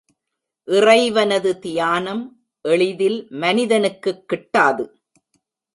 இறைவனது தியானம் எளிதில் மனிதனுக்குக் கிட்டாது.